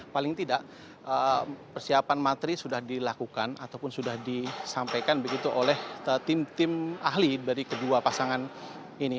paling tidak persiapan materi sudah dilakukan ataupun sudah disampaikan begitu oleh tim tim ahli dari kedua pasangan ini